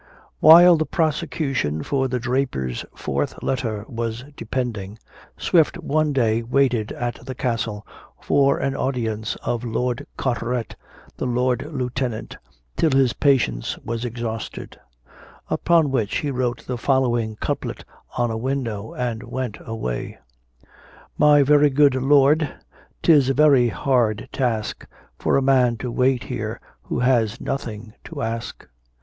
While the prosecution for the Draper's fourth letter was depending, Swift one day waited at the Castle for an audience of Lord Carteret, the Lord Lieutenant, till his patience was exhausted; upon which he wrote the following couplet on a window, and went away: "My very good Lord, 'tis a very hard task, For a man to wait here who has nothing to ask."